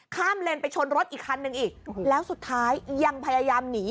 เลนไปชนรถอีกคันนึงอีกแล้วสุดท้ายยังพยายามหนี